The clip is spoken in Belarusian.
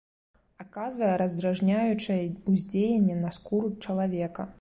Аказвае раздражняючае ўздзеянне на скуру чалавека.